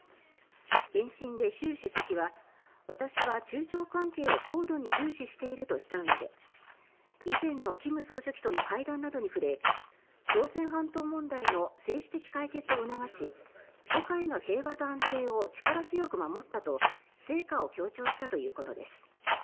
返信で習主席は私は中朝関係を高度に重視しているとしたうえで以前の金総書記との会談に触れ朝鮮半島問題の政治的解決を促し世界の平和と安定を力強く守ったと成果を強調したということです。